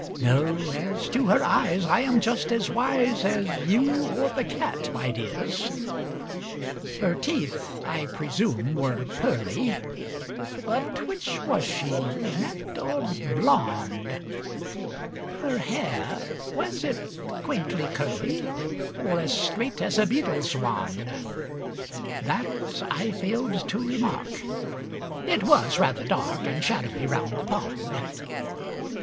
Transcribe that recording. No! as to her eyes I am just as wise As you or the cat, my dears. Her teeth, I presume, were ŌĆ£pearly:ŌĆØ But which was she, brunette or blonde? Her hair, was it quaintly curly, Or as straight as a beadleŌĆÖs wand? That I failŌĆÖd to remark: it was rather dark And shadowy round the pond.